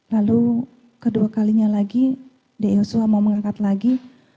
lalu kedua kalinya lagi di yosua mau mengangkat lagi